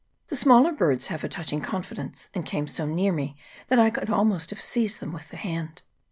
The smaller birds have a touching confidence, and came so near me that I could almost have seized them with the hand.